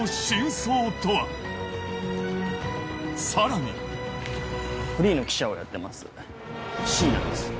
さらに「フリーの記者をやってます椎名です」